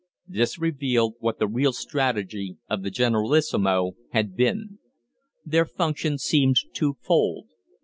This revealed what the real strategy of the Generalissimo had been. Their function seemed twofold.